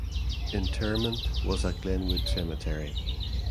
Interment was at Glenwood Cemetery.